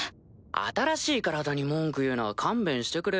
新しい体に文句言うのは勘弁してくれよ。